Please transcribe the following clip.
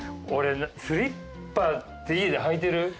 スリッパって家で履いてる？